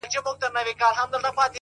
زه چـي په باندي دعوه وكړم;